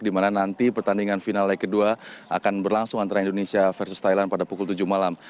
di mana nanti pertandingan final leg kedua akan berlangsung antara indonesia versus thailand pada pukul tujuh malam